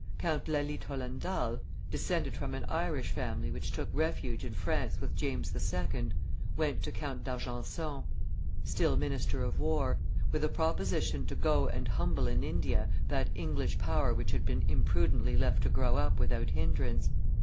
Count Lally Tollendal, descended from an Irish family which took refuge in France with James II., went to Count d'Argenson, still minister of war, with a proposition to go and humble in India that English power which had been imprudently left to grow up without hinderance.